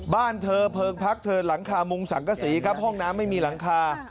บ้านเธอเพลิงพักเธอหลังคามุงสังกษีครับห้องน้ำไม่มีหลังคา